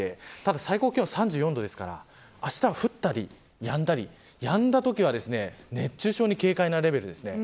最高気温３４度ですからあしたは降ったりやんだりやんだときは熱中症に警戒が必要なレベルです。